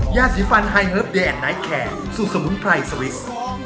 ยาสีฟันไฮเลิฟแดงไนท์แคร์สูตรสมุนไพรสวิส